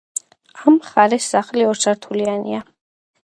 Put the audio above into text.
ამ მხარეს სახლი ორსართულიანია.